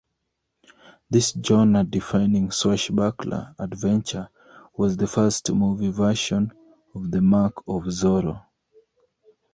This genre-defining swashbuckler adventure was the first movie version of "The Mark of Zorro".